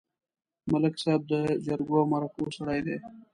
ملک صاحب د جرګو او مرکو سړی دی.